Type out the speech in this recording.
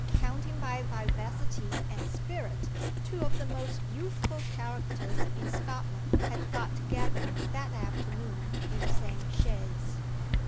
Counting by vivacity and spirit, two of the most youthful characters in Scotland had got together that afternoon in the same chaise.